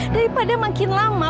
daripada makin lama